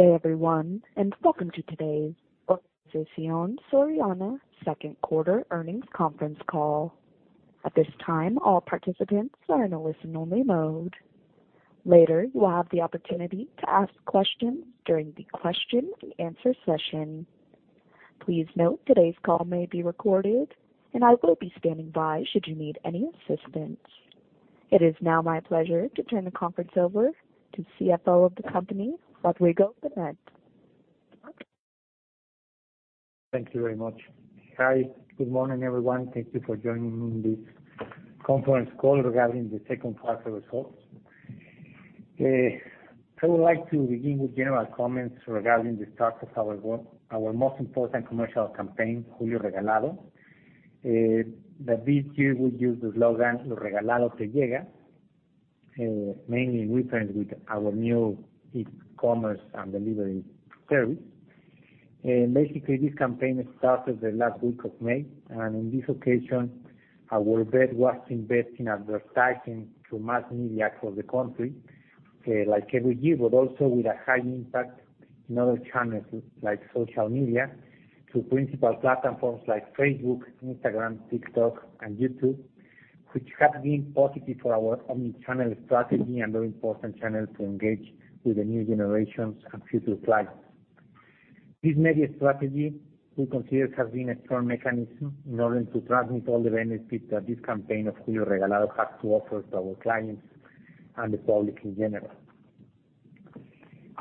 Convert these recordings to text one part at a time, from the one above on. Good day, everyone, and welcome to today's Organización Soriana second quarter earnings conference call. At this time, all participants are in a listen-only mode. Later, you will have the opportunity to ask questions during the question and answer session. Please note, today's call may be recorded, and I will be standing by should you need any assistance. It is now my pleasure to turn the conference over to CFO of the company, Rodrigo Benet Córdova. Thank you very much. Hi, good morning, everyone. Thank you for joining me in this conference call regarding the second quarter results. I would like to begin with general comments regarding the start of our most important commercial campaign, Julio Regalado. That this year we use the slogan, "Lo Regalado Te Llega," mainly referring with our new e-commerce and delivery service. Basically, this campaign started the last week of May, and on this occasion, our bet was invest in advertising through mass media across the country, like every year, but also with a high impact in other channels like social media, through principal platforms like Facebook, Instagram, TikTok, and YouTube, which have been positive for our omni-channel strategy and very important channels to engage with the new generations and future clients. This media strategy, we consider, has been a strong mechanism in order to transmit all the benefits that this campaign of Julio Regalado has to offer to our clients and the public in general.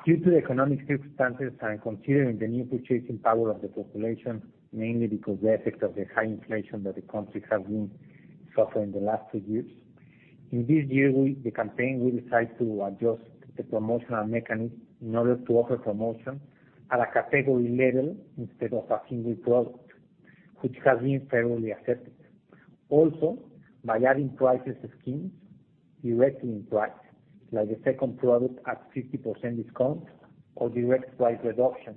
Due to the economic circumstances and considering the new purchasing power of the population, mainly because the effect of the high inflation that the country has been suffering the last two years, in this year, we decide to adjust the promotional mechanism in order to offer promotion at a category level instead of a single product, which has been favorably accepted. Also, by adding pricing schemes directly on price, like a second product at 50% discount or direct price reduction.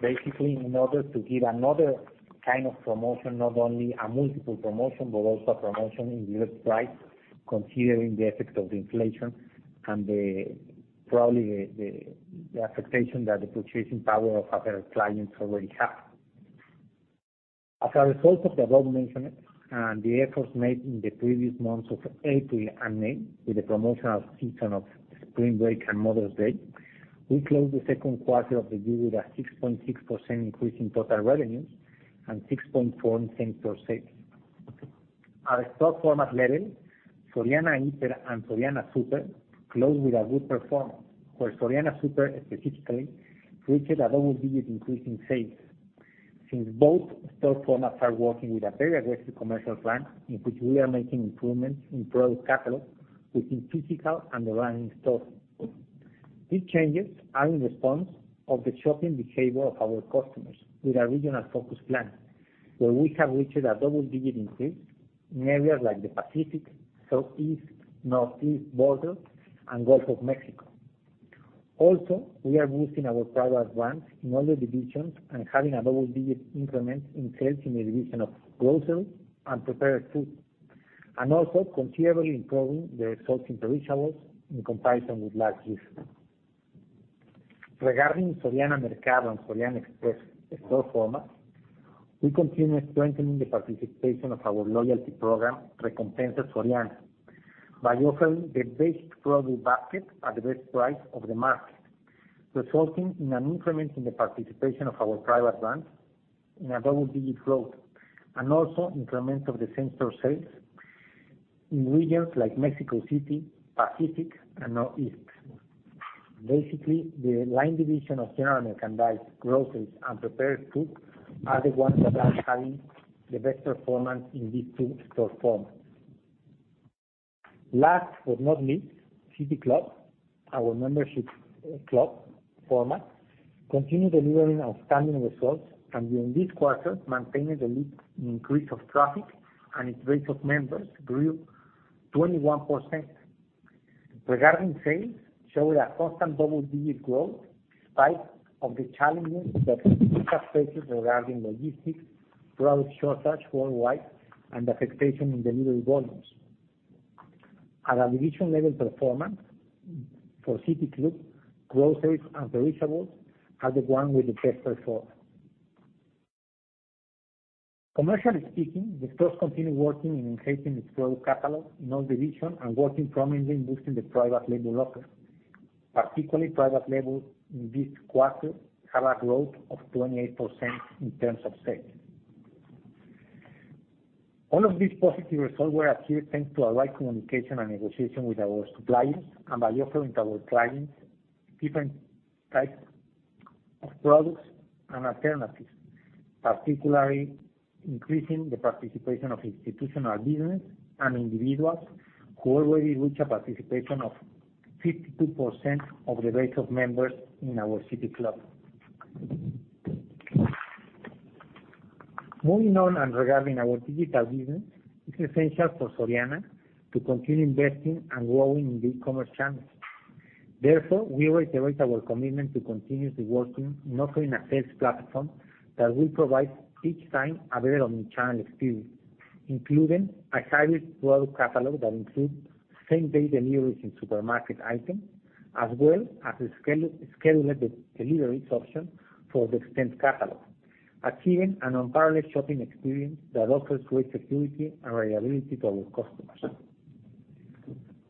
Basically, in order to give another kind of promotion, not only a multiple promotion, but also a promotion in direct price, considering the effect of the inflation and probably the expectation that the purchasing power of our clients already have. As a result of the above mentioned and the efforts made in the previous months of April and May with the promotional season of spring break and Mother's Day, we closed the second quarter of the year with a 6.6% increase in total revenues and 6.4% in same-store sales. At store format level, Soriana Híper and Soriana Súper closed with a good performance, where Soriana Súper specifically reached a double-digit increase in sales since both store formats are working with a very aggressive commercial plan in which we are making improvements in product catalog within physical and the running stores. These changes are in response to the shopping behavior of our customers with a regional focus plan, where we have reached a double-digit increase in areas like the Pacific, Southeast, Northeast border, and Gulf of Mexico. Also, we are boosting our private brands in all the divisions and having a double-digit increment in sales in the division of groceries and prepared foods, and also considerably improving the results in perishables in comparison with last year. Regarding Soriana Mercado and Soriana Express store format, we continue strengthening the participation of our loyalty program, Recompensa Soriana, by offering the best product basket at the best price of the market, resulting in an increment in the participation of our private brand in a double-digit growth, and also increment of the same store sales in regions like Mexico City, Pacific, and Northeast. Basically, the line division of general merchandise, groceries, and prepared foods are the ones that are having the best performance in these two store formats. Last but not least, City Club, our membership club format, continue delivering outstanding results, and during this quarter, maintaining the lead in increase of traffic and its base of members grew 21%. Regarding sales, showed a constant double-digit growth despite of the challenges that we have faced regarding logistics, product shortage worldwide, and the effectation in delivery volumes. At a division level performance for City Club, groceries and perishables are the one with the best performance. Commercially speaking, the stores continue working in enhancing its product catalog in all divisions and working prominently in boosting the private label offer. Particularly, private label in this quarter had a growth of 28% in terms of sales. All of these positive results were achieved thanks to the right communication and negotiation with our suppliers and by offering our clients different types of products and alternatives, particularly increasing the participation of institutional business and individuals who already reach a participation of 52% of the base of members in our City Club. Moving on regarding our digital business, it's essential for Soriana to continue investing and growing in the e-commerce channels. Therefore, we reiterate our commitment to continuously working in offering a sales platform that will provide each time a better omni-channel experience, including a hybrid product catalog that includes same-day deliveries in supermarket items, as well as a scheduled deliveries option for the extended catalog, achieving an unparalleled shopping experience that offers great security and reliability to our customers.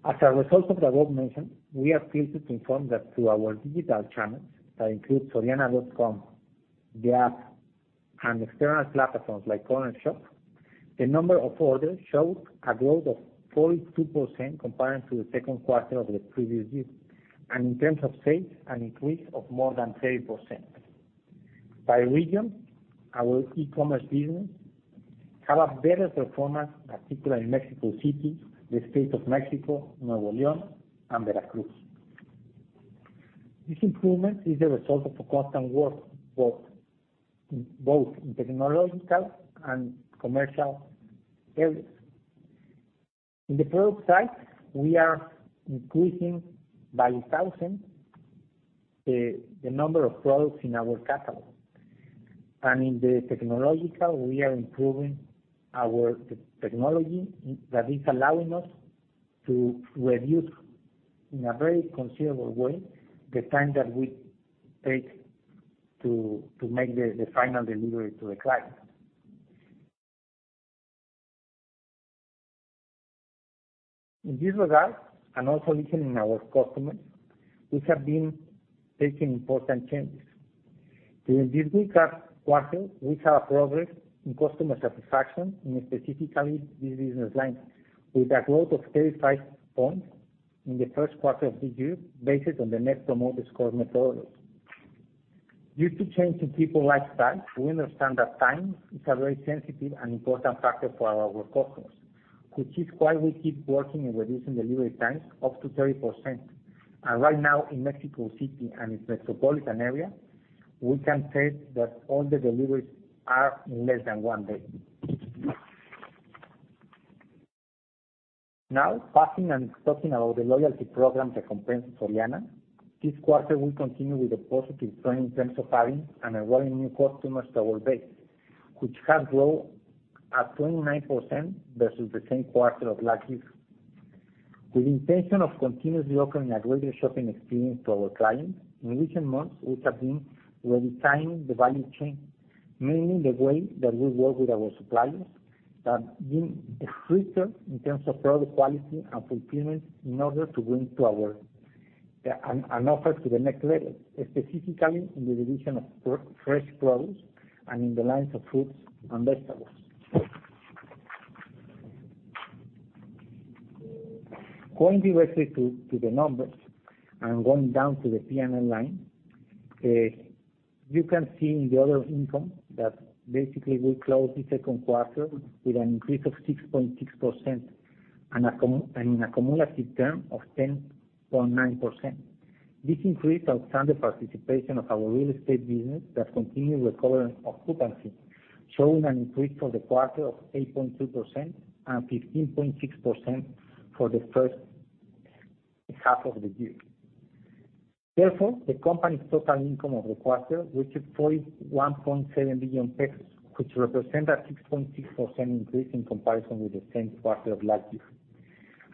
As a result of the above mentioned, we are pleased to confirm that through our digital channels, that includes soriana.com, the app, and external platforms like Cornershop, the number of orders shows a growth of 42% compared to the second quarter of the previous year. In terms of sales, an increase of more than 30%. By region, our e-commerce business have a better performance, particularly in Mexico City, the state of Mexico, Nuevo León, and Veracruz. This improvement is a result of the constant work both in technological and commercial areas. In the product side, we are increasing by 1,000 the number of products in our catalog. In the technological, we are improving our technology that is allowing us to reduce, in a very considerable way, the time that we take to make the final delivery to the client. In this regard, and also listening to our customers, we have been taking important changes. During this week or quarter, we have progressed in customer satisfaction, in specifically this business line, with a growth of 35 points in the first quarter of this year based on the Net Promoter Score methodology. Due to change in people's lifestyle, we understand that time is a very sensitive and important factor for our customers, which is why we keep working in reducing delivery times up to 30%. Right now in Mexico City and its metropolitan area, we can say that all the deliveries are in less than 1 day. Now, passing and talking about the loyalty program that comprises Soriana, this quarter we continue with a positive trend in terms of adding and enrolling new customers to our base, which has grown at 29% versus the same quarter of last year. With intention of continuously offering a greater shopping experience to our clients, in recent months, we have been redesigning the value chain, mainly the way that we work with our suppliers, and being stricter in terms of product quality and fulfillment in order to bring an offer to the next level, specifically in the division of fresh produce and in the lines of fruits and vegetables. Going directly to the numbers and going down to the P&L line, you can see in the other income that basically we closed the second quarter with an increase of 6.6% and in a cumulative term of 10.9%. This increase outstands the participation of our real estate business that continues recovering occupancy, showing an increase for the quarter of 8.2% and 15.6% for the first half of the year. Therefore, the company's total income of the quarter reached 41.7 billion pesos, which represents a 6.6% increase in comparison with the same quarter of last year,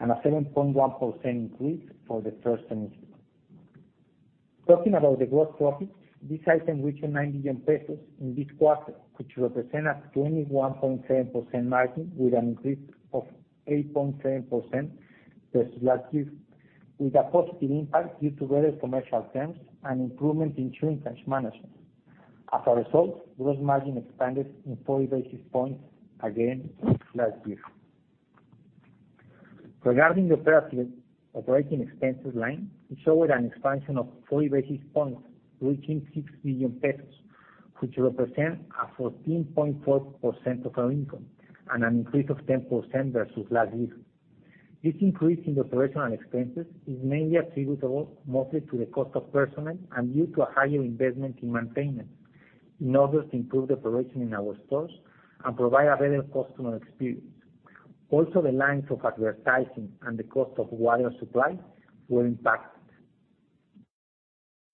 and a 7.1% increase for the first semester. Talking about the gross profits, this item reached 9 billion pesos in this quarter, which represents a 21.7% margin, with an increase of 8.7% versus last year, with a positive impact due to better commercial terms and improvement in working capital management. As a result, gross margin expanded by 40 basis points over last year. Regarding the operating expenses line, it showed an expansion of 40 basis points, reaching 6 million pesos, which represent a 14.4% of our income and an increase of 10% versus last year. This increase in operational expenses is mainly attributable mostly to the cost of personnel and due to a higher investment in maintenance in order to improve the operation in our stores and provide a better customer experience. Also, the lines of advertising and the cost of water supply were impacted.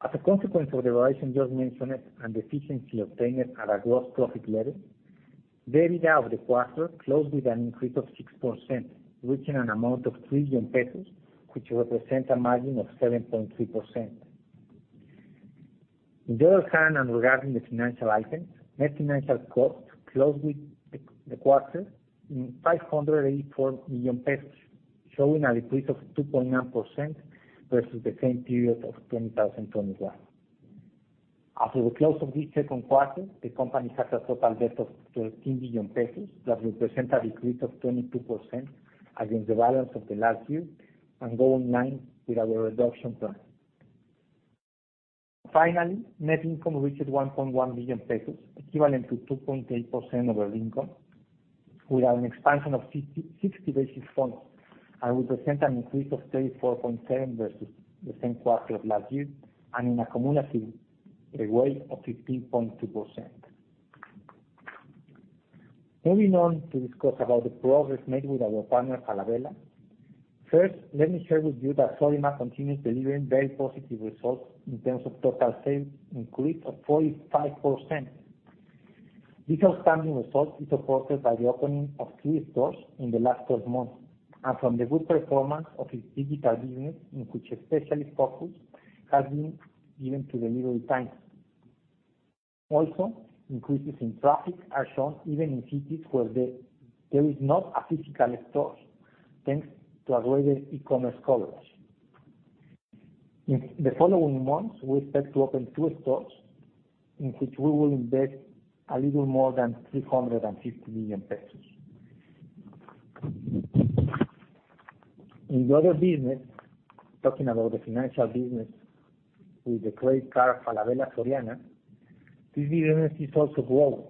As a consequence of the variation just mentioned and the efficiency obtained at a gross profit level, EBITDA of the quarter closed with an increase of 6%, reaching an amount of 3 billion pesos, which represents a margin of 7.3%. On the other hand, regarding the financial items, net financial costs closed with the quarter in 584 million pesos, showing a decrease of 2.9% versus the same period of 2021. After the close of this second quarter, the company has a total debt of 13 billion pesos, that represent a decrease of 22% against the balance of the last year and go in line with our reduction plan. Finally, net income reached 1.1 billion pesos, equivalent to 2.8% of our income, with an expansion of 50-60 basis points, and represent an increase of 34.7% versus the same quarter of last year, and in a cumulative, a rate of 15.2%. Moving on to discuss about the progress made with our partner, Falabella. First, let me share with you that Soriana continues delivering very positive results in terms of total sales increase of 45%. This outstanding result is supported by the opening of three stores in the last 12 months, and from the good performance of its digital business, in which especially focus has been given to delivery times. Also, increases in traffic are shown even in cities where there is not a physical store, thanks to our greater e-commerce coverage. In the following months, we expect to open two stores in which we will invest a little more than 350 million pesos. In the other business, talking about the financial business with the credit card Falabella Soriana, this business is also growing.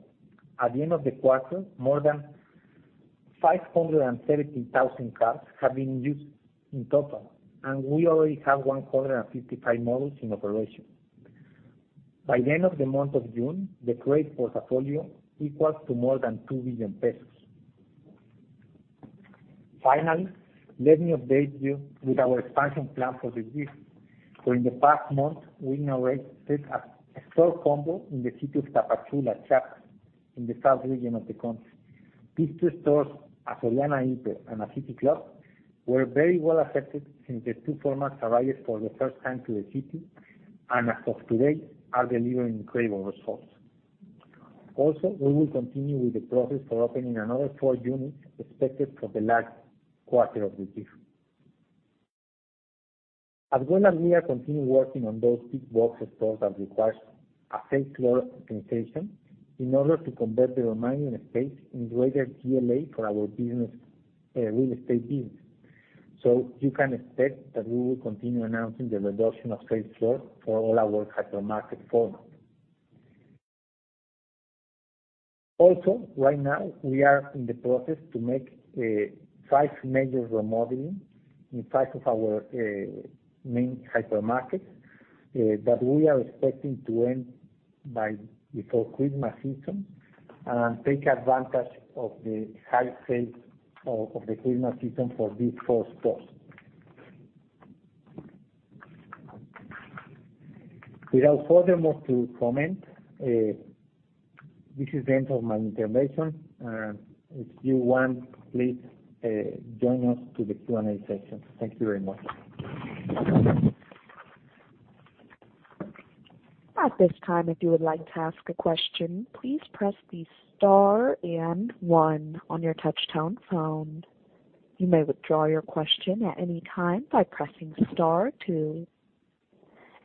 At the end of the quarter, more than 570,000 cards have been used in total, and we already have 155 models in operation. By the end of the month of June, the credit portfolio equals more than 2 billion pesos. Finally, let me update you with our expansion plan for this year. In the past month, we inaugurated a store combo in the city of Tapachula, Chiapas, in the south region of the country. These two stores, a Soriana Híper and a City Club, were very well accepted since the two formats arrived for the first time to the city, and as of today, are delivering incredible results. Also, we will continue with the process for opening another 4 units expected for the last quarter of this year. As well as we are continuing working on those big box stores that requires a sales floor organization in order to convert the remaining space into greater GLA for our business, real estate business. So you can expect that we will continue announcing the reduction of sales floor for all our hypermarket format. Also, right now, we are in the process to make 5 major remodeling in 5 of our main hypermarkets that we are expecting to end by before Christmas season and take advantage of the high sales of the Christmas season for these four stores. Without further ado to comment, this is the end of my intervention. If you want, please join us to the Q&A session. Thank you very much. At this time, if you would like to ask a question, please press the star and 1 on your touchtone phone. You may withdraw your question at any time by pressing star 2.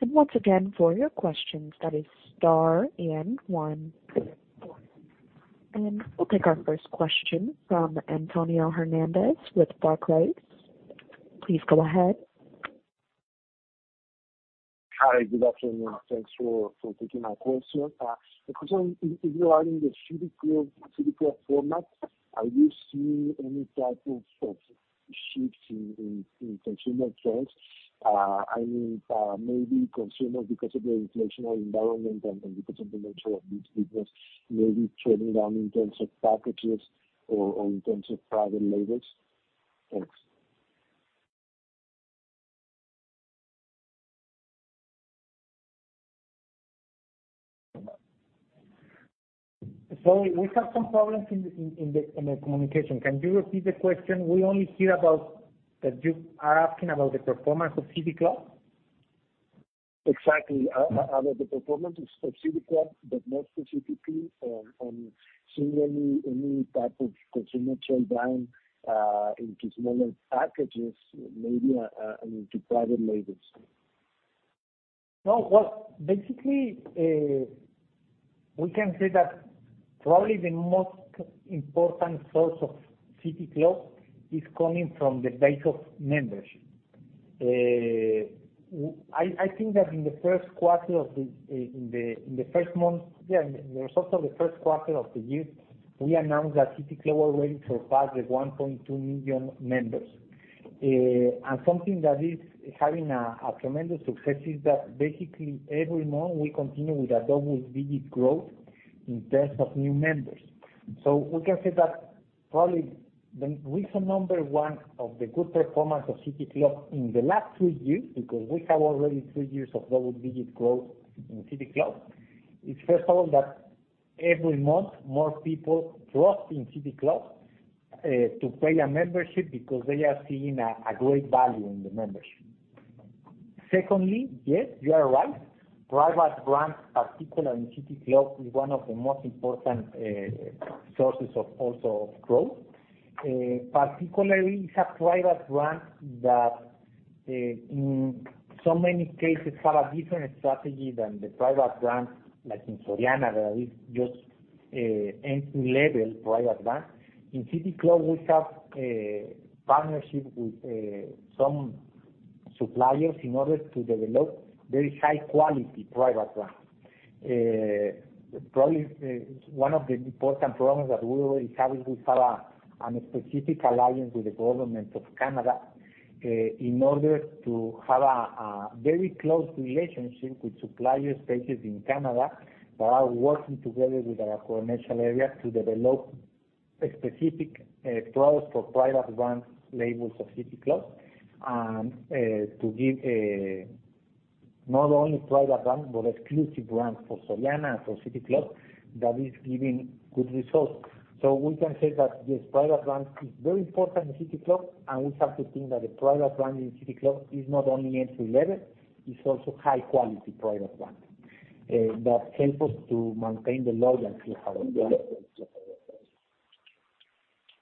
And once again, for your questions, that is star and 1. We'll take our first question from Antonio Hernández with Barclays. Please go ahead. Hi, good afternoon. Thanks for taking my question. The question regarding the City Club format, are you seeing any type of shift in consumer trends? I mean, maybe consumers because of the inflationary environment and because of the nature of this business may be trading down in terms of packages or in terms of private labels? Thanks. Sorry, we have some problems in the communication. Can you repeat the question? We only hear about that you are asking about the performance of City Club? Exactly. About the performance of City Club, but not for CTP, and seeing any type of consumer trend down into smaller packages, maybe, into private labels. No. Well, basically, we can say that probably the most important source of City Club is coming from the base of membership. I think that in the first quarter of the year, we announced that City Club already surpassed 1.2 million members. Something that is having a tremendous success is that basically every month we continue with a double digit growth in terms of new members. We can say that probably the reason number one of the good performance of City Club in the last three years, because we have already three years of double-digit growth in City Club, is first of all that every month, more people trust in City Club to pay a membership because they are seeing a great value in the membership. Secondly, yes, you are right. Private brands, particularly in City Club, is one of the most important sources of growth. Particularly we have private brands that in so many cases have a different strategy than the private brands, like in Soriana, that is just entry-level private brands. In City Club we have a partnership with some suppliers in order to develop very high quality private brands. Probably, one of the important programs that we already have, we have a specific alliance with the government of Canada, in order to have a very close relationship with supplier spaces in Canada that are working together with our commercial area to develop specific products for private brand labels of City Club, and to give not only private brand, but exclusive brand for Soriana and for City Club that is giving good results. We can say that this private brand is very important in City Club, and we have to think that the private brand in City Club is not only entry level, it's also high quality private brand that help us to maintain the loyalty of our customers.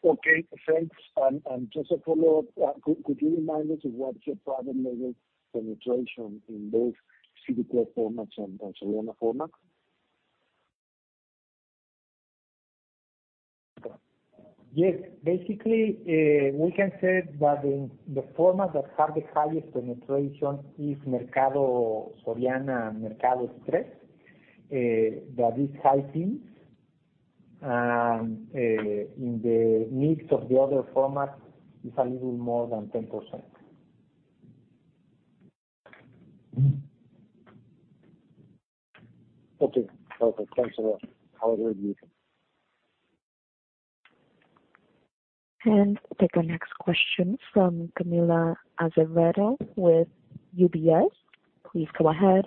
Okay, thanks. Just a follow-up, could you remind us of what's your private label penetration in both City Club formats and Soriana formats? Yes. Basically, we can say that in the formats that have the highest penetration is Soriana Mercado, Soriana Express, that is high teens%. In the mix of the other formats is a little more than 10%. Okay, thanks a lot. Have a great week. Take our next question from Camila Azevedo with UBS. Please go ahead.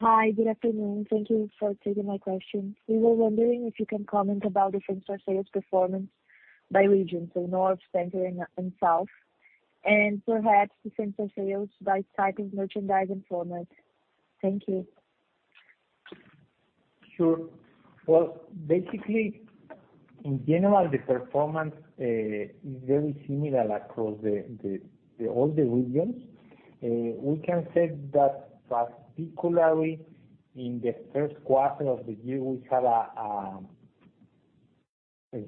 Hi. Good afternoon. Thank you for taking my question. We were wondering if you can comment about the same-store sales performance by region, so North, Center, and South, and perhaps the same-store sales by type of merchandise and format. Thank you. Sure. Well, basically, in general, the performance is very similar across all the regions. We can say that particularly in the first quarter of the year, we had a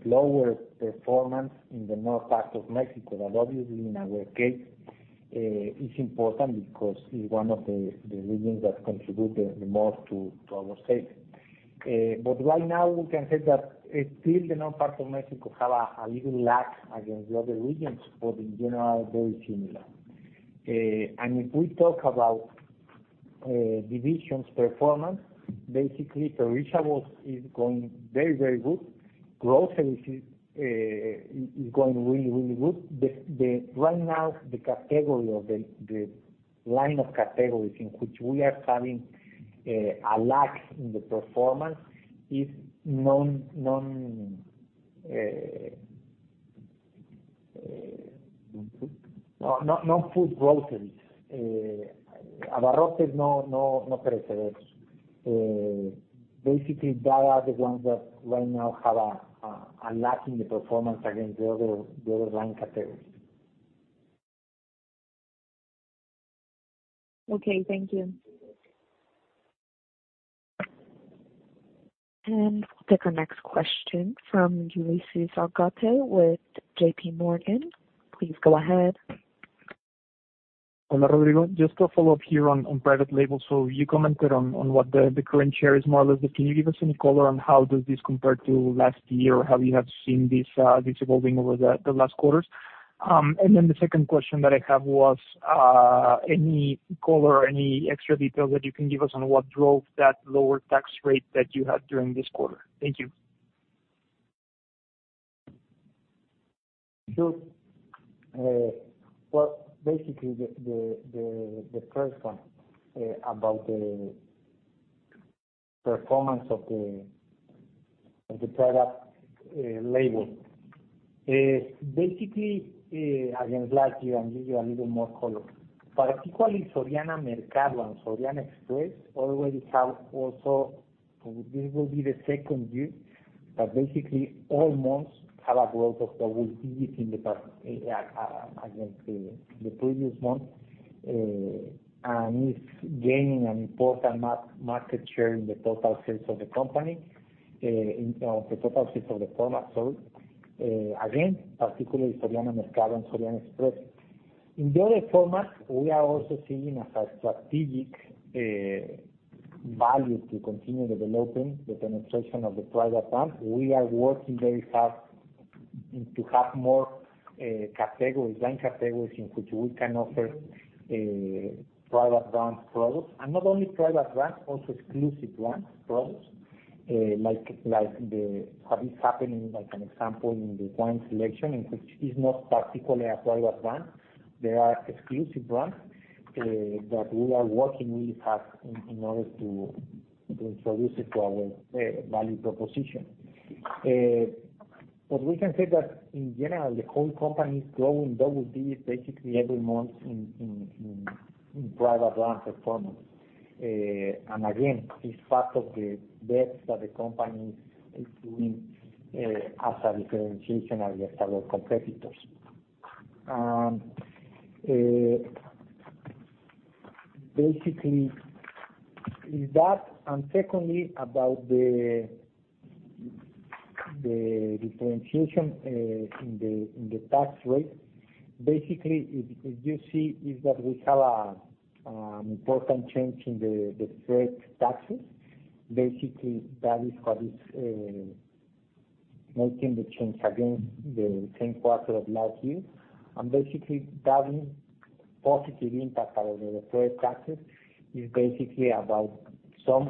lower performance in the north part of Mexico that obviously in our case is important because it's one of the regions that contribute the most to our sales. Right now, we can say that still the north part of Mexico have a little lag against the other regions, but in general, very similar. If we talk about divisions' performance, basically, perishables is going very, very good. Groceries is going really, really good. Right now, the category of the line of categories in which we are having a lag in the performance is non-food? Non-food groceries. Abarrotes, no perecederos. Basically, that are the ones that right now have a lag in the performance against the other line categories. Okay, thank you. We'll take our next question from Ulises Argote with J.P. Morgan. Please go ahead. Hola, Rodrigo. Just a follow-up here on private label. You commented on what the current share is, more or less, but can you give us any color on how does this compare to last year or how you have seen this evolving over the last quarters? Then the second question that I have was any color or any extra details that you can give us on what drove that lower tax rate that you had during this quarter? Thank you. Sure. Well, basically the first one about the performance of the private label, basically again last year, I'll give you a little more color. Particularly Soriana Mercado and Soriana Express already have also, this will be the second year that basically almost have a growth of double digits in the past against the previous month. And it's gaining an important market share in the total sales of the company in the total sales of the format. So again, particularly Soriana Mercado and Soriana Express. In the other formats, we are also seeing as a strategic value to continue developing the penetration of the private brand. We are working very hard to have more categories, line categories, in which we can offer private brand products, and not only private brands, also exclusive brands, products. Like how it's happening, like an example in the wine selection, in which is not particularly a private brand, they are exclusive brands that we are working really hard in order to introduce it to our value proposition. But we can say that in general, the whole company is growing double digits basically every month in private brand performance. And again, it's part of the bets that the company is doing as a differentiation against our competitors. Basically, that's it. Secondly, about the differentiation in the tax rate, basically you see is that we have an important change in the trade taxes. Basically, that is what is making the change against the same quarter of last year. Basically that positive impact out of the trade taxes is basically about some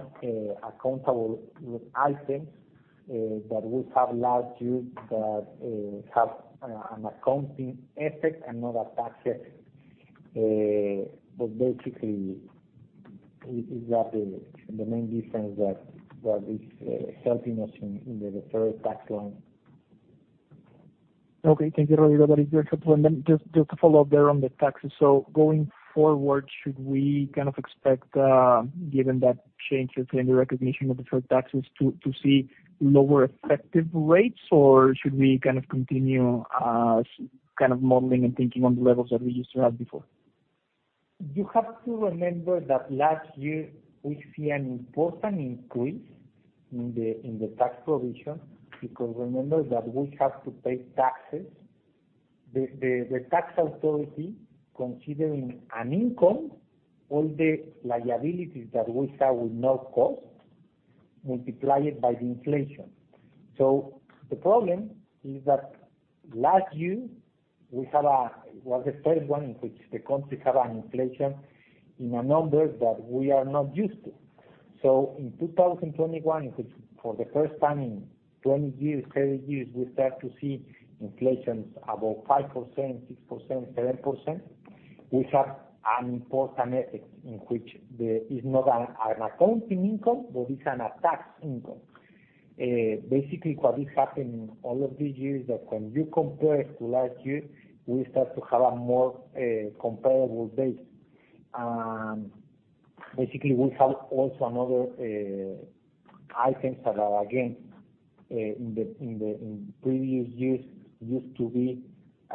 accounting items that we have last year that have an accounting effect and not a tax effect. Basically is that the main difference that is helping us in the deferred tax line. Okay. Thank you, Rodrigo. That is very helpful. Just to follow up there on the taxes. Going forward, should we kind of expect, given that change, certainly the recognition of deferred taxes to see lower effective rates? Or should we kind of continue, kind of modeling and thinking on the levels that we used to have before? You have to remember that last year we see an important increase in the tax provision because remember that we have to pay taxes. The tax authority considering an income all the liabilities that we have with no cost multiply it by the inflation. The problem is that last year was the third one in which the country had an inflation in a number that we are not used to. In 2021, in which for the first time in 20 years, 30 years, we start to see inflations above 5%, 6%, 7%. We have an important effect in which is not an accounting income, but it's a tax income. Basically what is happening all these years that when you compare to last year, we start to have a more comparable base. Basically we have also other items that are again in previous years used to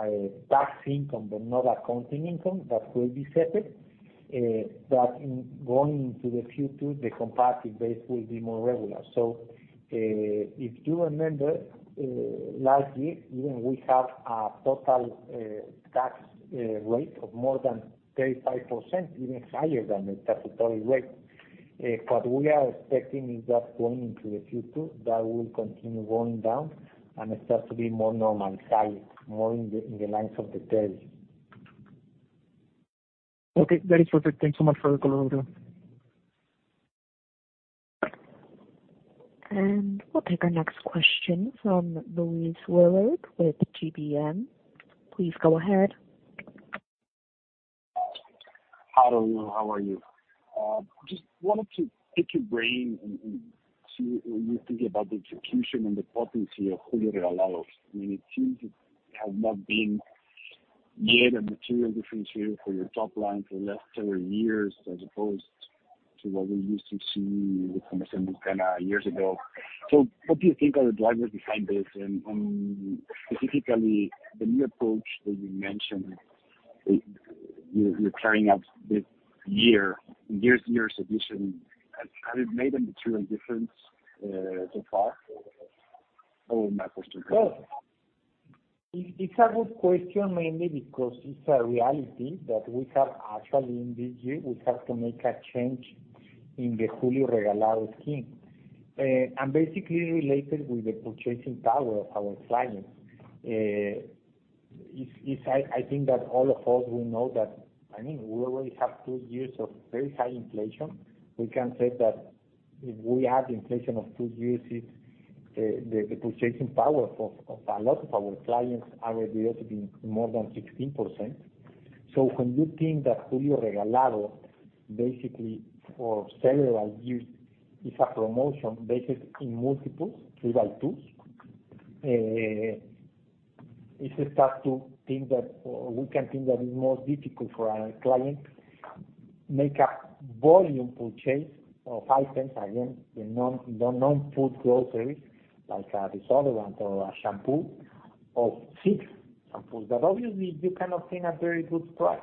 be tax income but not accounting income. That will be separate. In going into the future, the comparative base will be more regular. If you remember, last year even we have a total tax rate of more than 35%, even higher than the statutory rate. What we are expecting is that going into the future, that will continue going down and it starts to be more normalized, more in the lines of the statutory. Okay. That is perfect. Thanks so much for the color, Rodrigo. We'll take our next question from Luis Willard with GBM. Please go ahead. Hi, Rodrigo. How are you? Just wanted to pick your brain and see what you think about the execution and the potency of Julio Regalado. I mean, it seems it has not been yet a material differentiator for your top line for the last several years, as opposed to what we used to see with Temporada Naranja years ago. What do you think are the drivers behind this? And specifically the new approach that you mentioned, you're carrying out this year's edition. Has it made a material difference so far? That's my question, Rodrigo. It's a good question, mainly because it's a reality that we actually have in this year. We have to make a change in the Julio Regalado scheme. Basically related with the purchasing power of our clients. I think that all of us will know that, I mean, we already have two years of very high inflation. We can say that if we have inflation of two years, the purchasing power of a lot of our clients are reduced in more than 16%. When you think that Julio Regalado basically for several years is a promotion based in multiples, three by twos, if you start to think that or we can think that is more difficult for our client, make a volume purchase of items, again, the non-food groceries, like a deodorant or a shampoo of six samples that obviously you cannot pay a very good price.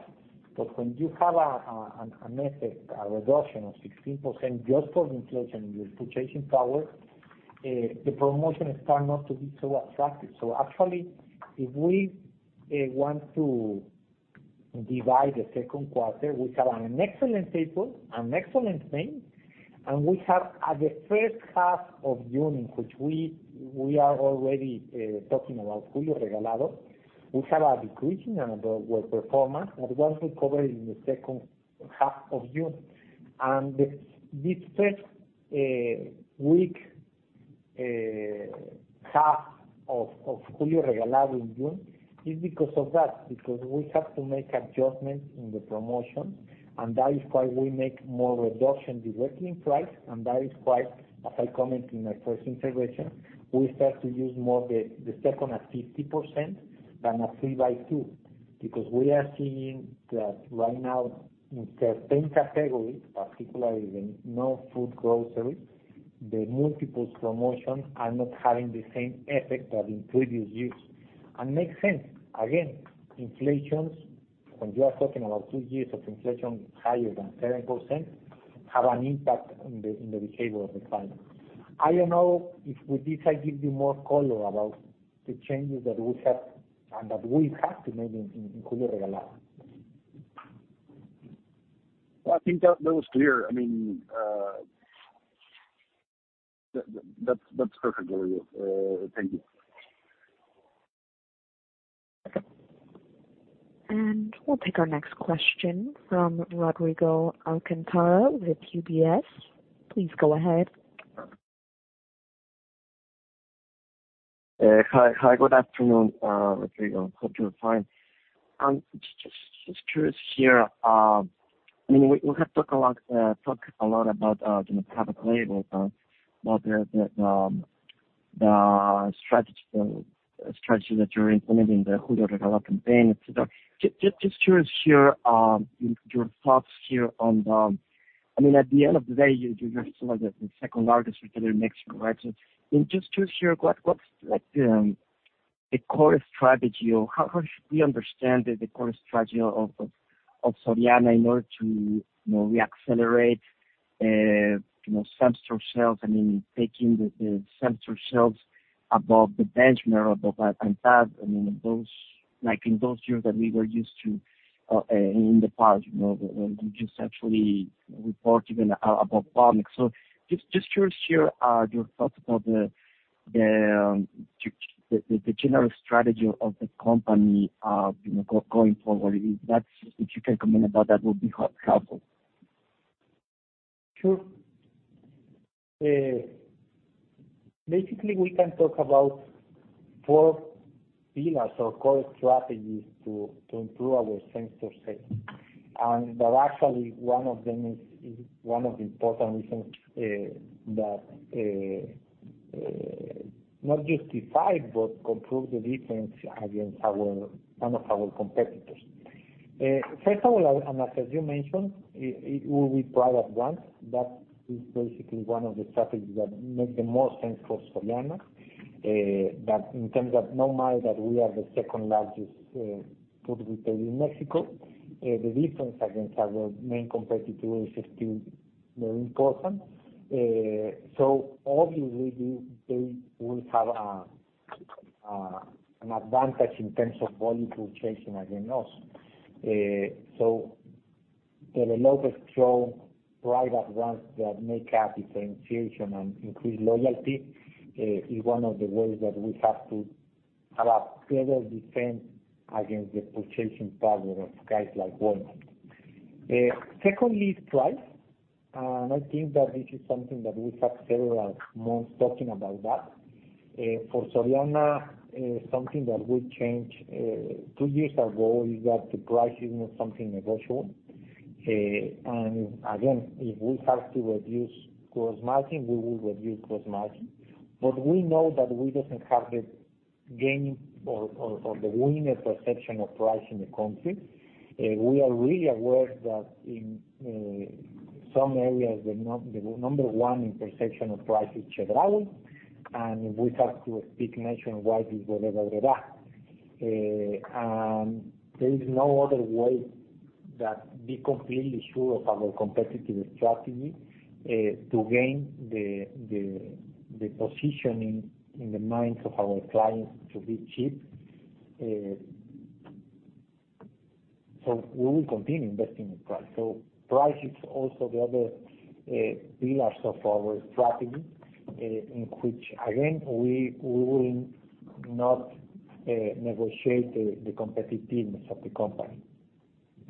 But when you have an effect, a reduction of 16% just of inflation in your purchasing power, the promotion starts not to be so attractive. Actually if we want to divide the second quarter, we have an excellent April, an excellent May, and we have at the first half of June, in which we are already talking about Julio Regalado. We have a decreasing and a poor performance that was recovered in the second half of June. This first half of Julio Regalado in June is because of that, because we have to make adjustments in the promotion, and that is why we make more reduction directly in price. That is why, as I commented in my first intervention, we start to use more the second at 50% than a three by two because we are seeing that right now in certain categories, particularly the non-food groceries, the multiple promotions are not having the same effect as in previous years. Makes sense. Again, inflation, when you are talking about two years of inflation higher than 7%, has an impact in the behavior of the client. I don't know if with this I give you more color about the changes that we have and that we have to make in Julio Regalado. Well, I think that was clear. I mean, that's perfect, Rodrigo. Thank you. We'll pick our next question from Rodrigo Alcantara with UBS. Please go ahead. Hi, good afternoon, Rodrigo. Hope you're fine. Just curious here, I mean, we have talked a lot about, you know, private labels and what the strategy that you're implementing the campaign. Just curious here, your thoughts here on, I mean, at the end of the day, you're still like the second-largest retailer in Mexico, right? Just curious here, what's like the core strategy or how should we understand the core strategy of Soriana in order to, you know, reaccelerate, you know, same-store sales? I mean, taking the same-store sales above the benchmark of the past. I mean, those like in those years that we were used to in the past, you know, when you just actually reported above benchmark. Just curious here, your thoughts about the general strategy of the company, you know, going forward. If you can comment about that would be helpful. Sure. Basically, we can talk about four pillars or core strategies to improve our same-store sales. Actually one of them is one of the important reasons that not justify but improve the difference against some of our competitors. First of all, as you mentioned, it will be private brands. That is basically one of the strategies that make the most sense for Soriana. In terms of no matter that we are the second largest food retailer in Mexico, the difference against our main competitor is still very important. Obviously, they will have an advantage in terms of volume purchasing against us. Develop and grow private brands that make a differentiation and increase loyalty is one of the ways that we have to have a better defense against the purchasing power of guys like Walmart. Secondly is price. I think that this is something that we have several months talking about that. For Soriana, something that would change two years ago is that the price is not something negotiable. Again, if we have to reduce gross margin, we will reduce gross margin. We know that we doesn't have the gain or the winning perception of price in the country. We are really aware that in some areas, the number one in perception of price is Chedraui, and we have to speak nationwide is Walmart de México. There is no other way that be completely sure of our competitive strategy to gain the positioning in the minds of our clients to be cheap. We will continue investing in price. Price is also the other pillars of our strategy, in which again, we will not negotiate the competitiveness of the company.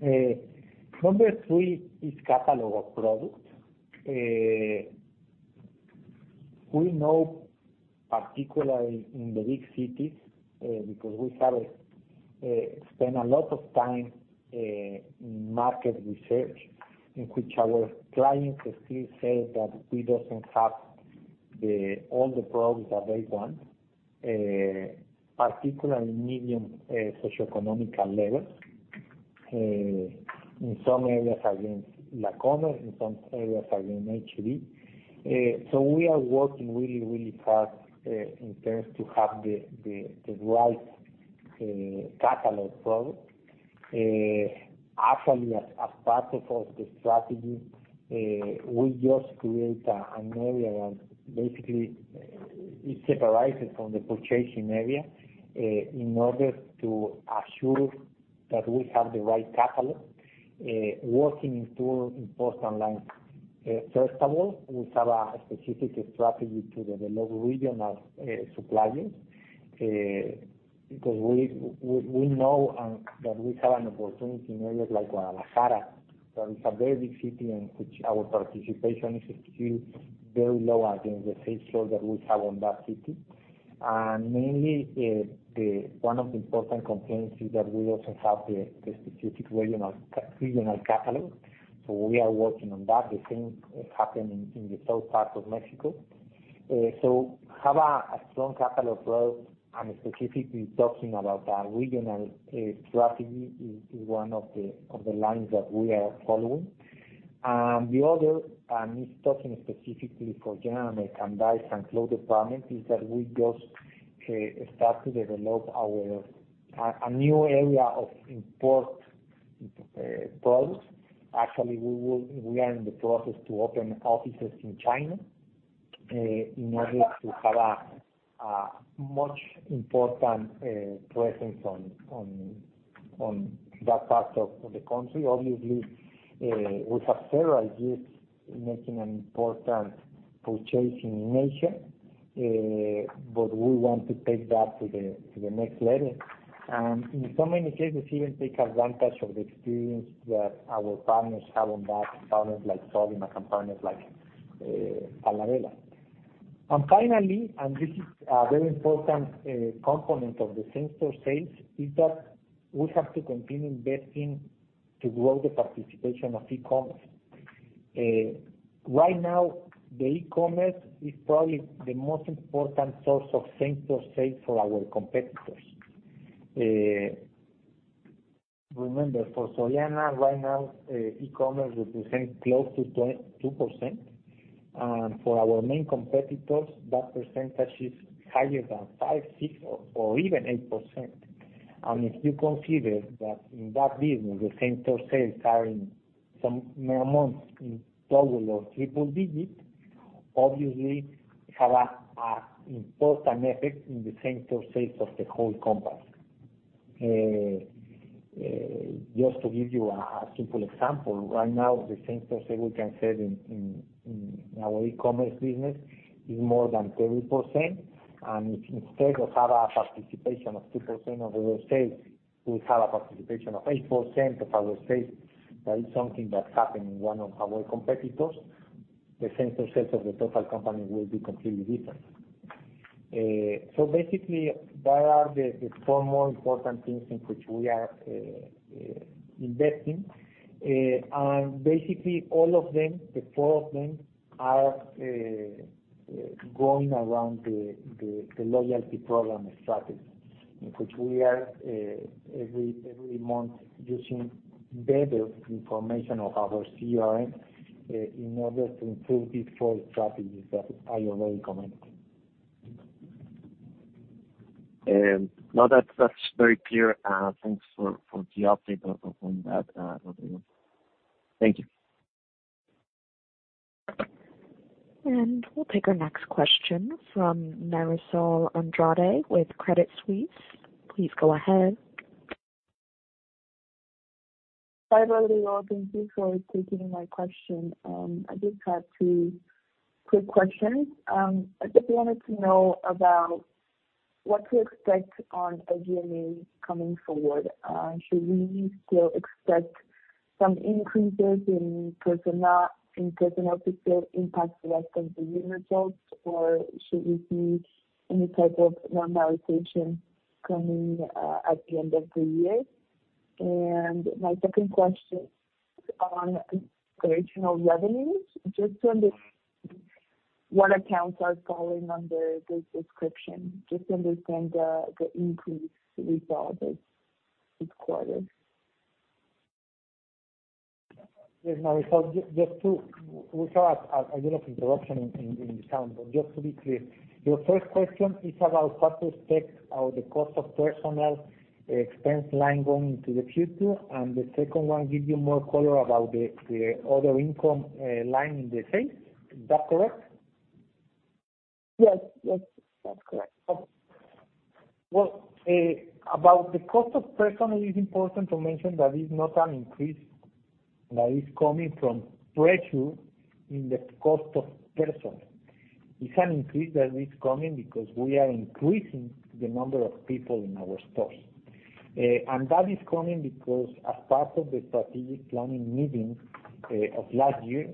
Number three is catalog of products. We know particularly in the big cities, because we have spent a lot of time in market research, in which our clients still say that we doesn't have the all the products that they want, particularly medium socioeconomic levels, in some areas against La Comer, in some areas against H-E-B. We are working really, really hard in terms to have the right catalog product. Actually, as part of the strategy, we just create an area and basically it separates it from the purchasing area in order to assure that we have the right catalog working in-store and both online. First of all, we have a specific strategy to develop regional suppliers because we know that we have an opportunity in areas like Guadalajara, that is a very big city in which our participation is still very low against the share that we have in that city. Mainly, one of the important components is that we also have the specific regional catalog. We are working on that. The same happened in the south part of Mexico. Have a strong catalog growth and specifically talking about a regional strategy is one of the lines that we are following. The other is talking specifically for general merchandise and clothes department is that we just start to develop our new area of import products. Actually, we are in the process to open offices in China in order to have a much more important presence on that part of the country. Obviously, we have several years making important purchases in Asia. We want to take that to the next level. In so many cases, even take advantage of the experience that our partners have on that, partners like Soriana and partners like Panarela. Finally, this is a very important component of the same-store sales, is that we have to continue investing to grow the participation of e-commerce. Right now, the e-commerce is probably the most important source of same-store sales for our competitors. Remember, for Soriana right now, e-commerce represents close to 2%. For our main competitors, that percentage is higher than 5%, 6%, or even 8%. If you consider that in that business, the same-store sales are in the summer months in total of triple digits, obviously have a important effect in the same-store sales of the whole company. Just to give you a simple example, right now, the same-store sales we can see in our e-commerce business is more than 30%. If instead of have a participation of 2% of our sales, we have a participation of 8% of our sales, that is something that happened in one of our competitors, the same-store sales of the total company will be completely different. Basically, there are the four most important things in which we are investing. Basically all of them, the four of them are going around the loyalty program strategy, in which we are every month using better information of our CRM in order to improve these four strategies that I already commented. No, that's very clear. Thanks for the update on that, Rodrigo. Thank you. We'll take our next question from Marisol Andrade with Credit Suisse. Please go ahead. Hi, Rodrigo. Thank you for taking my question. I just have two quick questions. I just wanted to know about what to expect on SG&A coming forward. Should we still expect some increases in personnel to still impact the rest of the year results? Or should we see any type of normalization coming at the end of the year? My second question on organic revenues, just to what accounts are falling under this description? Just to understand the increase we saw this quarter. Yes, Marisol, we had a little interruption in the sound, but just to be clear, your first question is about what to expect on the cost of personnel expense line going into the future, and the second one give you more color about the other income line in the sales. Is that correct? Yes. Yes, that's correct. Okay. Well, about the cost of personnel, it's important to mention that it's not an increase that is coming from pressure in the cost of personnel. It's an increase that is coming because we are increasing the number of people in our stores. That is coming because as part of the strategic planning meeting of last year,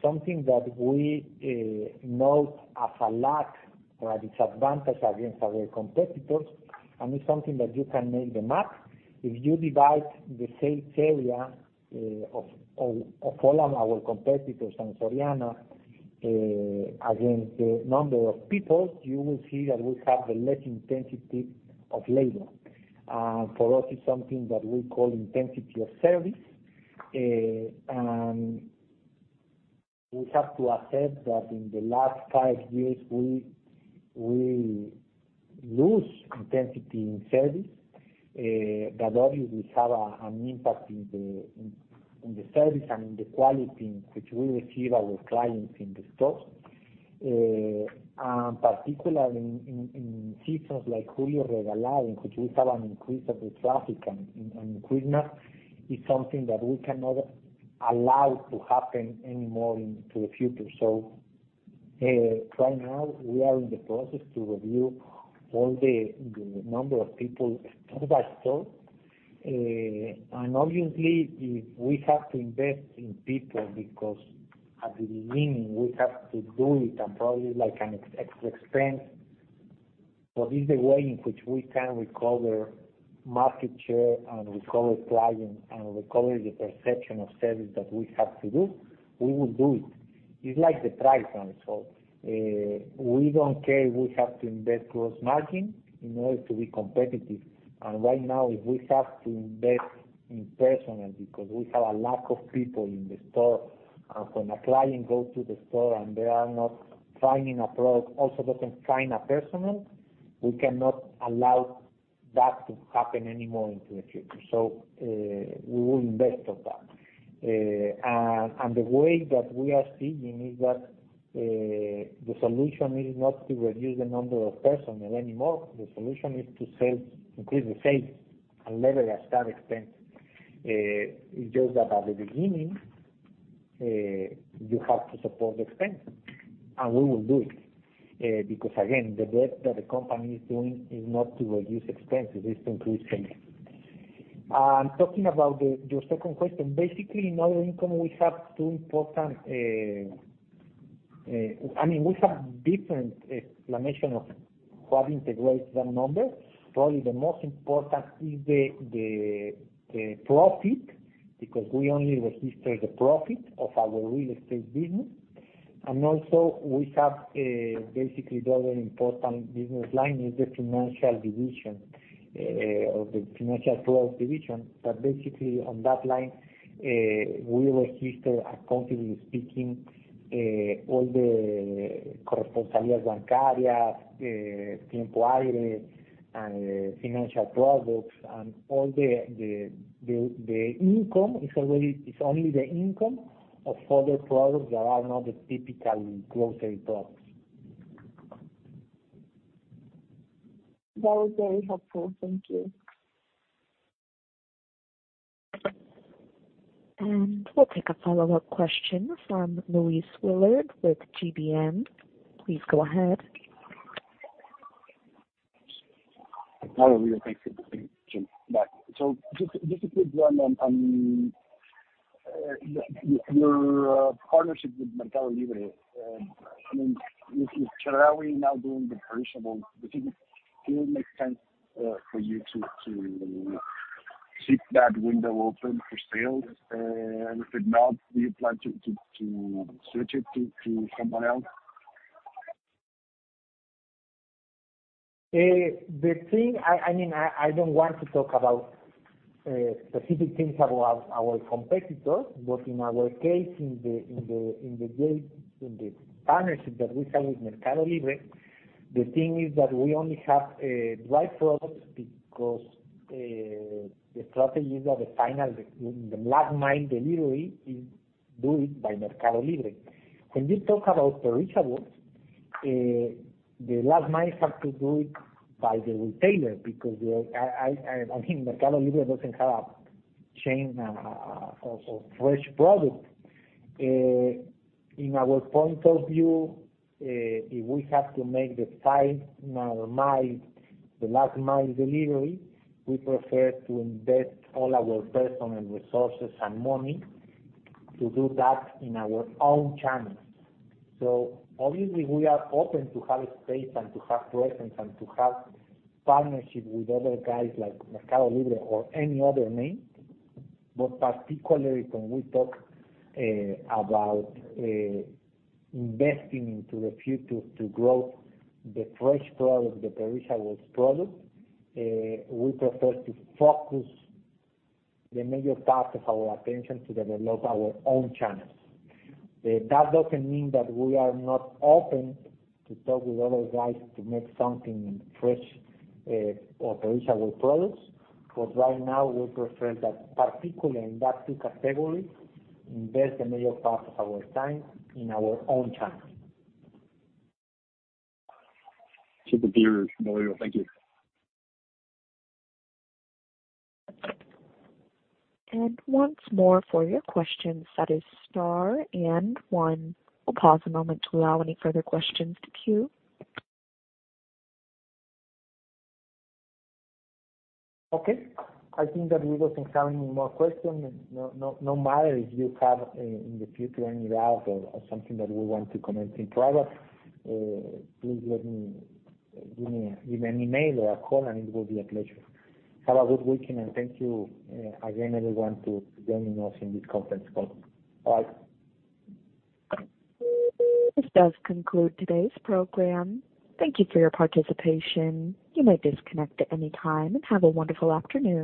something that we know as a lack or a disadvantage against our competitors, and it's something that you can do the math. If you divide the sales area of all of our competitors and Soriana against the number of people, you will see that we have the least intensity of labor. For us, it's something that we call intensity of service. We have to accept that in the last five years, we lose intensity in service. That obviously have an impact in the service and in the quality in which we receive our clients in the stores. Particularly in seasons like Julio y Agosto, in which we have an increase of the traffic and Christmas is something that we cannot allow to happen anymore into the future. Right now we are in the process to review all the number of people store by store. Obviously, if we have to invest in people because at the beginning, we have to do it and probably like an extra expense. It's the way in which we can recover market share and recover clients and recover the perception of service that we have to do, we will do it. It's like the price one. We don't care we have to invest gross margin in order to be competitive. Right now, if we have to invest in personnel because we have a lack of people in the store, and when a client goes to the store and they are not finding a product, also doesn't find personnel, we cannot allow that to happen anymore into the future. We will invest on that. The way that we are seeing is that the solution is not to reduce the numbers of personnel anymore. The solution is to sell, increase the sales and level as that expense. It's just that at the beginning you have to support the expense, and we will do it. Because again, the bet that the company is doing is not to reduce expenses, it's to increase sales. Talking about your second question, basically in our income, we have two important. I mean, we have different explanation of what integrates that number. Probably the most important is the profit, because we only register the profit of our real estate business. Also, we have, basically the other important business line is the financial division of the financial growth division, that basically on that line, we register accountably speaking, all the financial products and all the income is already only the income of other products that are not the typical grocery products. That was very helpful. Thank you. We'll take a follow-up question from Luis Willard with GBM. Please go ahead. Hi, Rodrigo. Thanks for the presentation. Just a quick one on your partnership with Mercado Libre. I mean, with Cornershop now doing the perishables, does it make sense for you to keep that window open for sales? If not, do you plan to switch it to someone else? The thing I mean, I don't want to talk about specific things about our competitors. In our case, in the partnership that we have with Mercado Libre, the thing is that we only have dry products because the strategy of the last mile delivery is done by Mercado Libre. When you talk about perishables, the last mile has to be done by the retailer because Mercado Libre doesn't have a chain of fresh products. In our point of view, if we have to make the last mile delivery, we prefer to invest all our personnel resources and money to do that in our own channels. Obviously, we are open to have space and to have presence and to have partnerships with other guys like Mercado Libre or any other name. Particularly when we talk about investing into the future to grow the fresh products, the perishable products, we prefer to focus the major part of our attention to develop our own channels. That doesn't mean that we are not open to talk with other guys to make something fresh or perishable products. Right now, we prefer that particularly in those two categories, invest the major part of our time in our own channels. Super clear, Rodrigo. Thank you. Once more for your questions, that is star and 1. We'll pause a moment to allow any further questions to queue. Okay. I think that we don't have any more questions. No matter if you have, in the future any doubt or something that you want to comment in further, please give me an email or a call, and it will be a pleasure. Have a good weekend, and thank you, again, everyone to joining us in this conference call. Bye. This does conclude today's program. Thank you for your participation. You may disconnect at any time and have a wonderful afternoon.